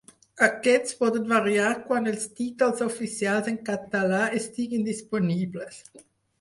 Aquests poden variar quan els títols oficials en català estiguin disponibles.